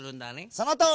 そのとおり！